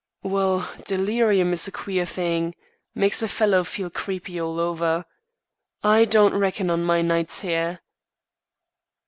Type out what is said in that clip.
"Well! delirium is a queer thing; makes a fellow feel creepy all over. I don't reckon on my nights here."